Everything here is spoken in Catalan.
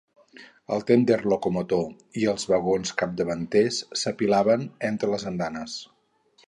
El tènder locomotor i els vagons capdavanters s'apilaven entre les andanes.